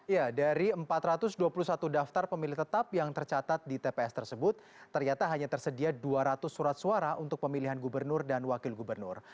ya dari empat ratus dua puluh satu daftar pemilih tetap yang tercatat di tps tersebut ternyata hanya tersedia dua ratus surat suara untuk pemilihan gubernur dan wakil gubernur